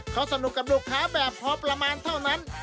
เขาสนุกกับลูกค้าแบบพอประมาณเท่านั้น